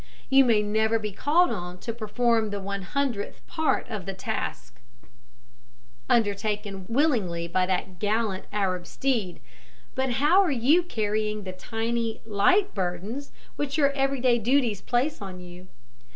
You may never be called on to perform the one hundredth part of the task undertaken willingly by that gallant Arab steed, but how are you carrying the tiny, light burdens which your every day duties place on you?